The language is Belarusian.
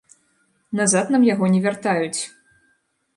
Назад нам яго не вяртаюць.